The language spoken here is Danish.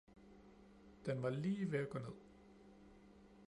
den var lige ved at gå ned.